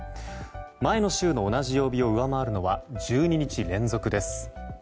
前の週の同じ曜日を上回るのは１２日連続です。